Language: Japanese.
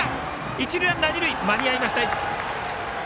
一塁ランナー二塁へ間に合いました。